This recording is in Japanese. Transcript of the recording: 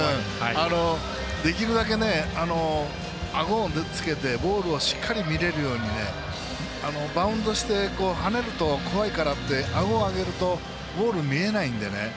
できるだけ、あごをつけてボールをしっかり見れるようにバウンドして跳ねると怖いからってあごを上げるとボール見えないのでね。